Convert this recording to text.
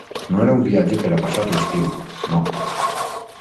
No era un viatge per a passar l'estiu, no.